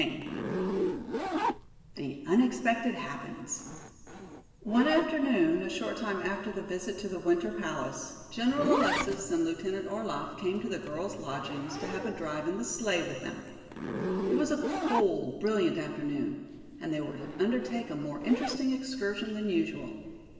CHAPTER XVI The Unexpected Happens One afternoon a short time after the visit to the Winter Palace, General Alexis and Lieutenant Orlaff came to the girls' lodgings to have a drive in the sleigh with them. It was a cold, brilliant afternoon, and they were to undertake a more interesting excursion than usual.